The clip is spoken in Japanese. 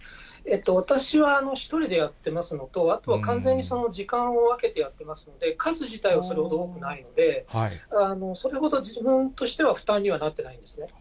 私は１人でやってますのと、あとは完全に時間を分けてやってますので、数自体はそれほど多くないので、それほど自分としては負担にはなってないんですね。